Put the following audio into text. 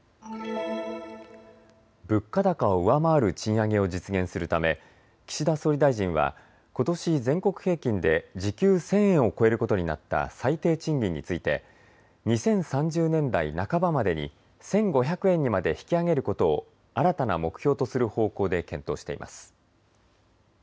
物価高を上回る賃上げを実現するため岸田総理大臣はことし全国平均で時給１０００円を超えることになった最低賃金について２０３０年代半ばまでに１５００円にまで引き上げることを新たな目標とする方向で検討しています。